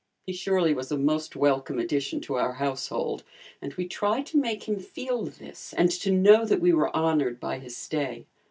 He surely was a most welcome addition to our household and we tried to make him feel this and to know that we were honored by his stay.